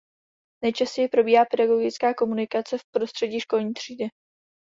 Nejčastěji probíhá pedagogická komunikace v prostředí školní třídy.